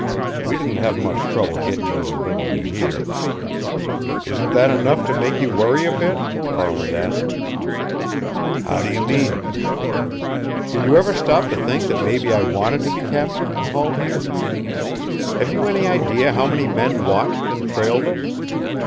We didn't have much trouble gettin' you and bringin' you here." "Isn't that enough to make you worry a bit?" Farland asked. "How do you mean?" "Did you ever stop to think that maybe I wanted to be captured and hauled here? Have you any idea how many men watched and trailed us?